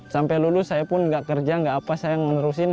sampai lulus saya pun nggak kerja nggak apa saya menerusin